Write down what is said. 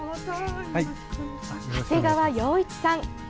長谷川洋一さん。